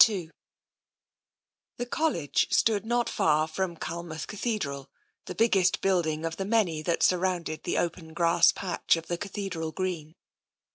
II The College stood not far from Culmouth Cathe dral, the biggest building of the many that surrounded the open grass patch of the Cathedral Green.